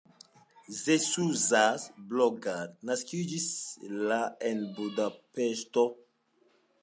Zsuzsa Balogh naskiĝis la en Budapeŝto.